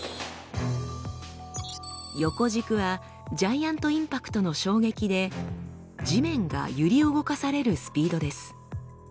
横軸はジャイアント・インパクトの衝撃で地面が揺り動かされるスピードです。